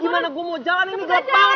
ya gimana gue mau jalan ini gelap banget